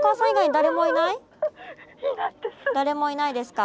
誰もいないですか？